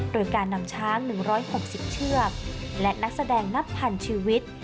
โดยการนำช้าง๑๖๐เชือกและนักแสดงนับพันชีวิต